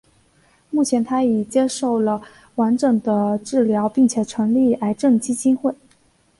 目前她已接受了完整的治疗并且成立癌症基金会。